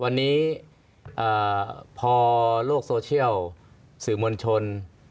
วันนี้พอโลกโซเชียลสื่อมวลชน